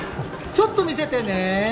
ちょっと見せてね。